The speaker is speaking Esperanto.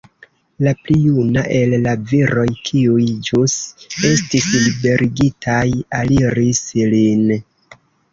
La pli juna el la viroj, kiuj ĵus estis liberigitaj, aliris lin.